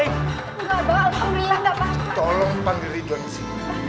ampun ampun pak kiai